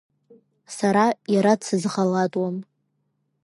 Сара иара дсызӷалатуам.